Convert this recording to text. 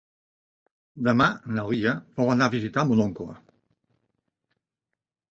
Demà na Lia vol anar a visitar mon oncle.